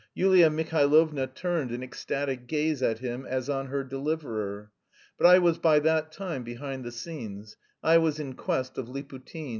Yulia Mihailovna turned an ecstatic gaze at him as on her deliverer.... But I was by that time behind the scenes. I was in quest of Liputin.